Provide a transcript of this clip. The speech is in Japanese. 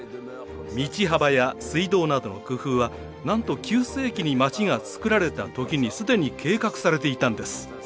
道幅や水道などの工夫はなんと９世紀に街が造られた時に既に計画されていたんです。